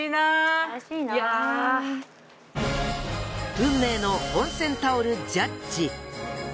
運命の温泉タオルジャッジ。